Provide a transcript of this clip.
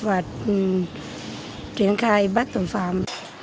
và triển khai bác tội phạm